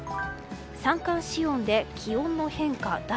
三寒四温で気温の変化大。